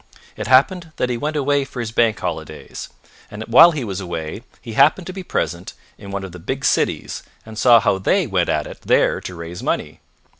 It happened that he went away for his bank holidays, and while he was away he happened to be present in one of the big cities and saw how they went at it there to raise money.